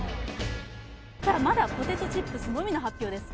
ただまだポテトチップスのみの発表です